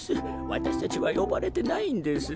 わたしたちはよばれてないんです。